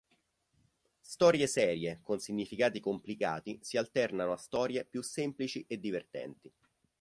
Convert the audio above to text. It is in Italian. Storie serie, con significati complicati si alternano a storie più semplici e divertenti.